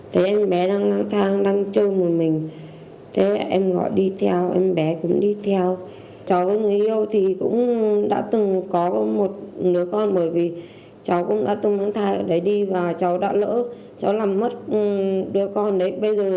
thế em gọi đi theo em bé cũng đi theo cháu với người yêu thì cũng đã từng có một đứa con bởi vì cháu cũng đã từng thay ở đấy đi và cháu đã lỡ cháu làm mất đứa con đấy